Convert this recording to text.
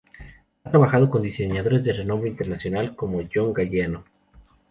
Ha trabajado con diseñadores de renombre internacional como John Galliano.